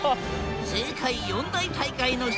世界４大大会の一つ